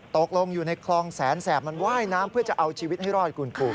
ตกลงอยู่ในคลองแสนแสบมันว่ายน้ำเพื่อจะเอาชีวิตให้รอดคุณครู